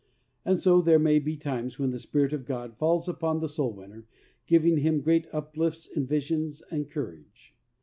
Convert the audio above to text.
And so there may be times when the Spirit of God falls upon the soul winner, giving him great uplifts and visions and courage.